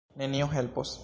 Nenio helpos.